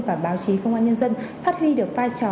và báo chí công an nhân dân phát huy được vai trò